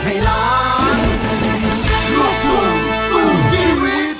โปรดติดตามตอนต่อไป